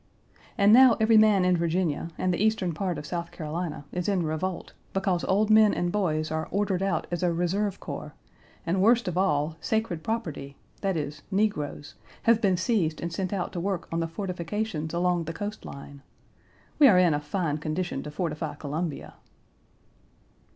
And now every man in Virginia, and the eastern part of South Carolina is in revolt, because old men and boys are ordered out as a reserve corps, and worst of all, sacred property, that is, negroes, have been seized and sent out to work on the fortifications along the coast line. We are in a fine condition to fortify Columbia!